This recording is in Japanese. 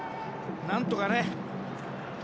何とかね。